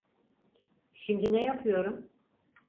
Şimdi ne yapıyorum?